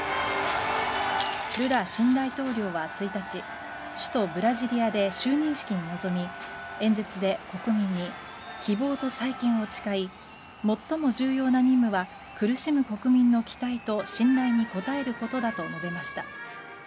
ルラ新大統領は１日首都ブラジリアで就任式に臨み演説で国民に希望と再建を誓い最も重要な任務は苦しむ国民の期待と信頼に応えることだと述べました。